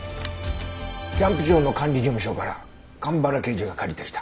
キャンプ場の管理事務所から蒲原刑事が借りてきた。